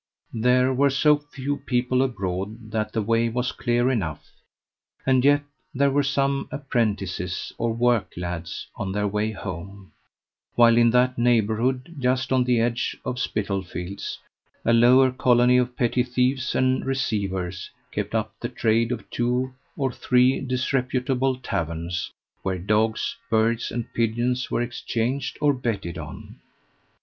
There were so few people abroad that the way was clear enough, and yet there were some apprentices or worklads on their way home; while in that neighbourhood, just on the edge of Spitalfields, a lower colony of petty thieves and receivers kept up the trade of two or three disreputable taverns, where dogs, birds, and pigeons were exchanged or betted on.